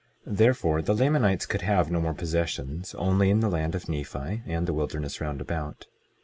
22:34 Therefore the Lamanites could have no more possessions only in the land of Nephi, and the wilderness round about.